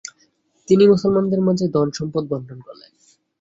তিনি মুসলমানদের মাঝে ধন সম্পদ বন্টন করলেন।